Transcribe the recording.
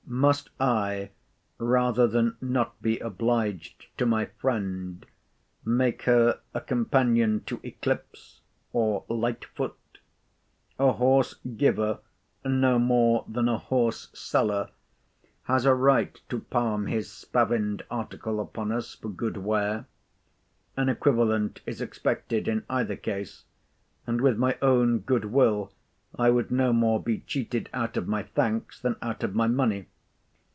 Must I, rather than not be obliged to my friend, make her a companion to Eclipse or Lightfoot? A horse giver, no more than a horse seller, has a right to palm his spavined article upon us for good ware. An equivalent is expected in either case; and, with my own good will, I would no more be cheated out of my thanks, than out of my money.